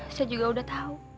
saya juga udah tahu